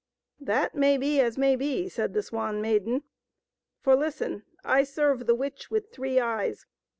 " That may be as may be," said the Swan Maiden. " For listen ! I serve the witch with three eyes.